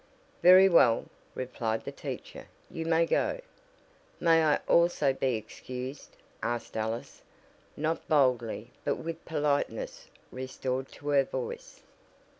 "Very well," replied the teacher. "You may go." "May I also be excused?" asked Alice, not boldly but with politeness restored to her voice.